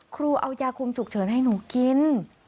ครูเอายาคุมฉุกเฉินให้หนูกิน